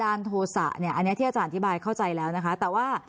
อันนี้ที่อาจารย์อธิบายเข้าใจแล้วนะคะ